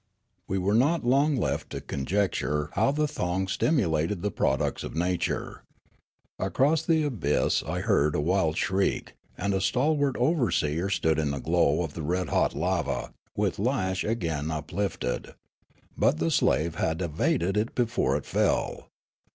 We were not long left to conjecture how the thongs stimulated the products of nature. Across the abyss I heard a wild shriek, and a stalwart overseer stood in the glow of the red hot lava with lash again uplifted. But the slave had evaded it before it fell.